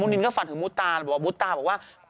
นินก็ฝันถึงมุตาบอกว่ามุดตาบอกว่า